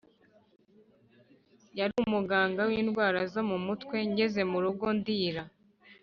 yari umuganga windwara zo mumutwe ngeze murugo ndira.